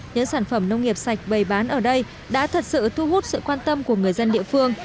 những sản phẩm nông nghiệp sạch bày bán ở đây đã thật sự thu hút sự quan tâm của người dân địa phương